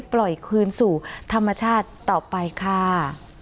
ปล่อยคืนสู่ธรรมชาติต่อไปค่ะ